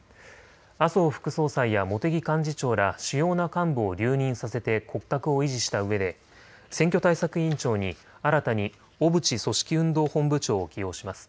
麻生副総裁や茂木幹事長ら主要な幹部を留任させて骨格を維持したうえで選挙対策委員長に新たに小渕組織運動本部長を起用します。